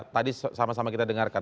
tadi sama sama kita dengarkan